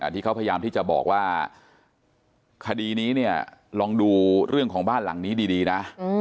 ที่เขาพยายามที่จะบอกว่าคดีนี้เนี่ยลองดูเรื่องของบ้านหลังนี้ดีนะ